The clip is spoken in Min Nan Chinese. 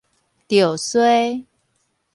著衰